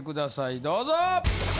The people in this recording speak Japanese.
どうぞ。